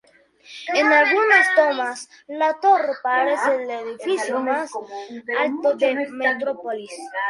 En algunas tomas, la torre parece el edificio más alto de Metropolis.